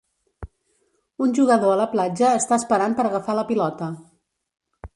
Un jugador a la platja està esperant per agafar la pilota.